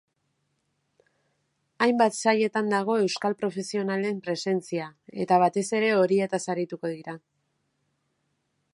Hainbat sailetan dago euskal profesionalen presentzia, eta batez ere horietaz arituko dira.